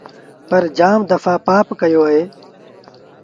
پر جآم دڦآ پآپ ڪيو اهي۔